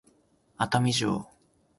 熱海城